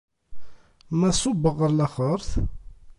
Ma ṣubbeɣ ɣer laxert?